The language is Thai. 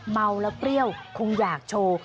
เมาแล้วเปรี้ยวคงอยากโชว์